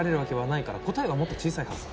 ないから答えはもっと小さいはず